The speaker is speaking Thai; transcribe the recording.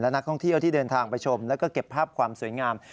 นักท่องเที่ยวที่เดินทางไปชมแล้วก็เก็บภาพความสวยงาม